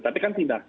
tapi kan tidak